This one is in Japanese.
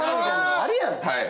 あるやん？